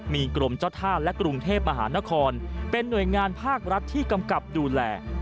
มีกรมเจ้าท่าและกรุงเทพมหานครเป็นหน่วยงานภาครัฐที่กำกับดูแล